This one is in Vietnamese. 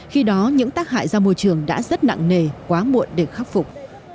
khi đó những tác hại ra môi trường đã rất nặng nề quá muộn để khắc phục